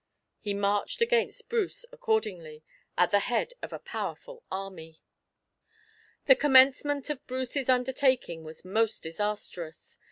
He marched against Bruce accordingly, at the head of a powerful army. The commencement of Bruce's undertaking was most disastrous.